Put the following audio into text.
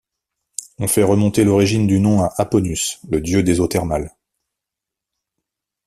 On fait remonter l’origine du nom à Aponus, le dieu des eaux thermales.